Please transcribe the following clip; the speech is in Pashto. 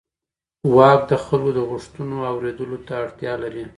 واک د خلکو د غوښتنو اورېدلو ته اړتیا لري.